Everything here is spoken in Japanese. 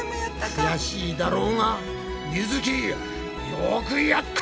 悔しいだろうがみづきよくやった！